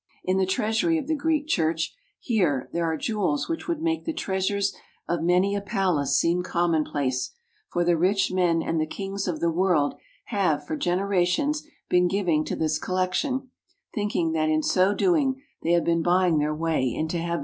In the treasury of the Greek Church here there are jewels which would make the treasures of many a palace seem commonplace, for the rich men and the kings of the world have for gene rations been giving to this collection, thinking that in so doing they have been buying their way into heaven.